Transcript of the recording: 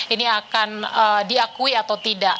ini akan diakui atau tidak